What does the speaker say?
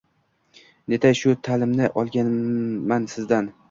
Netay shu talimni olganman sizdan